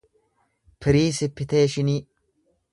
piriisipiteeshinii